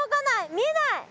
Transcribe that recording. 見えない！